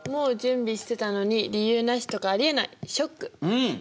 うん！